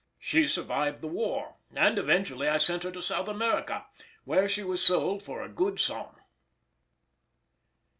She survived the war, and I eventually sent her to South America, where she was sold for a good sum.